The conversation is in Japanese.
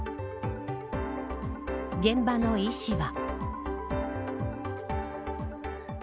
現場の医師は。